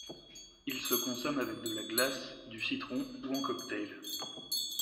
Il se consomme avec de la glace, du citron ou en cocktail.